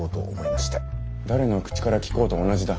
誰の口から聞こうと同じだ。